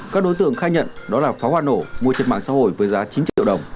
các đối tượng khai nhận đó là pháo hoa nổ mua trên mạng xã hội với giá chín triệu đồng